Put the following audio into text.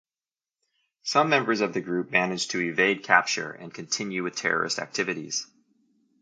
Some members of the group manage to evade capture and continue with terrorist activities.